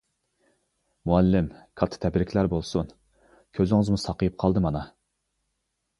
مۇئەللىم: — كاتتا تەبرىكلەر بولسۇن، كۆزىڭىزمۇ ساقىيىپ قالدى مانا.